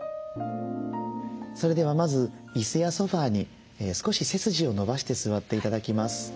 それではまずいすやソファーに少し背筋を伸ばして座って頂きます。